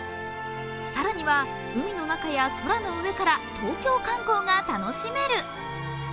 更には海の上からや空の上から東京観光が楽しめる。